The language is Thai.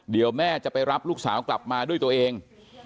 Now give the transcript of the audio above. เดี๋ยวแม่จะไปรับลูกสาวกลับมาด้วยตัวเอง